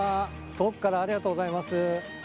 遠くからありがとうございます。